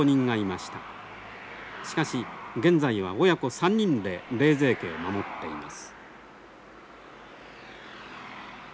しかし現在は親子３人で冷泉家を守っています。